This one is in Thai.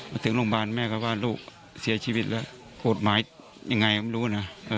มาถึงโรงพยาบาลแม่ก็ว่าลูกเสียชีวิตแล้วกฎหมายยังไงก็ไม่รู้นะ